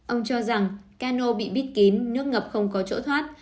ông cho rằng cano bị bít kín nước ngập không có chỗ thoát